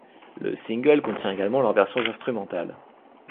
Le single contient également leurs versions instrumentales.